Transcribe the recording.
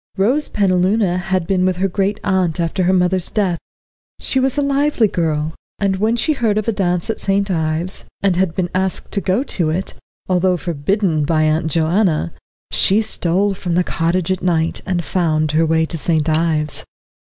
Rose Penaluna had been with her great aunt after her mother's death. She was a lively girl, and when she heard of a dance at St. Ives, and had been asked to go to it, although forbidden by Aunt Joanna, she stole from the cottage at night, and found her way to St. Ives.